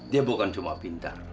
dia bukan cuma pintar